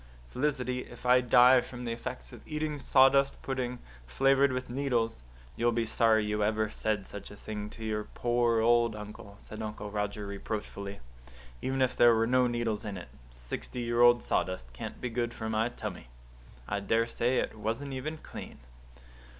"Felicity, if I die from the effects of eating sawdust pudding, flavoured with needles, you'll be sorry you ever said such a thing to your poor old uncle," said Uncle Roger reproachfully. "Even if there were no needles in it, sixty year old sawdust can't be good for my tummy. I daresay it wasn't even clean."